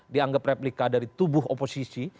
dianggap replika dari tubuh oposisi